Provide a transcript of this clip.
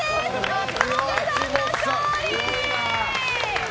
松本さんの勝利！